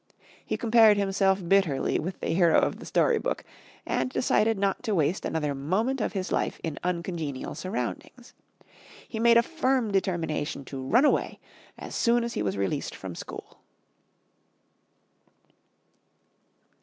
He compared himself bitterly with the hero of the story book and decided not to waste another moment of his life in uncongenial surroundings. He made a firm determination to run away as soon as he was released from school.